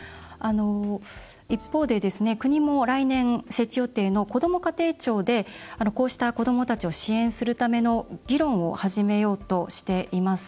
一方で、国も来年設置予定の、こども家庭庁でこうした子どもたちを支援するための議論を始めようとしています。